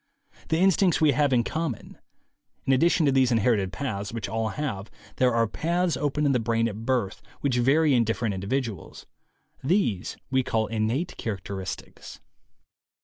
The instincts we have in com mon. In addition to these inherited paths which all have, there are paths open in the brain at birth which vary in different individuals. These we call innate characteristics.